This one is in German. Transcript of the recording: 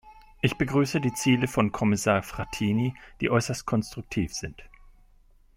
Ich begrüße die Ziele von Kommissar Frattini, die äußerst konstruktiv sind.